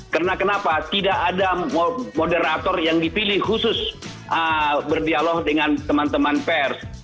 karena kenapa tidak ada moderator yang dipilih khusus berdialog dengan teman teman pers